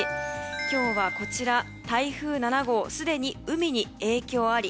今日は台風７号、すでに海に影響あり。